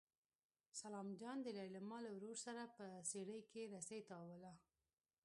سلام جان د لېلما له ورور سره په څېړۍ کې رسۍ تاووله.